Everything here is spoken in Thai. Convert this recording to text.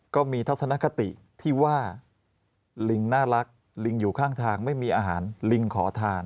ทัศนคติที่ว่าลิงน่ารักลิงอยู่ข้างทางไม่มีอาหารลิงขอทาน